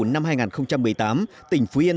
năm hai nghìn một mươi tám tỉnh phú yên